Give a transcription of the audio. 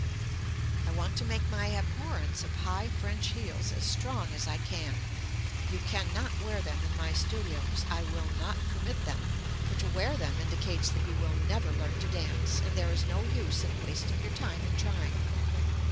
I want to make my abhorrence of high French heels as strong as I can. You cannot wear them in my studios. I will not permit them, for to wear them indicates that you will never learn to dance, and there is no use in wasting your time in trying.